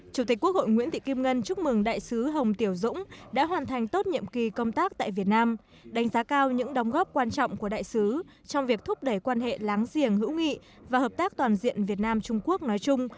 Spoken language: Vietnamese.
chủ tịch quốc hội nguyễn thị kim ngân chúc mừng đại sứ hồng tiểu dũng đã hoàn thành tốt nhiệm kỳ công tác tại việt nam đánh giá cao những đóng góp quan trọng của đại sứ trong việc thúc đẩy quan hệ láng giềng hữu nghị và hợp tác toàn diện việt nam trung quốc nói chung